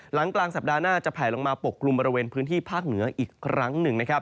หลังกลางสัปดาห์หน้าจะแผลลงมาปกกลุ่มบริเวณพื้นที่ภาคเหนืออีกครั้งหนึ่งนะครับ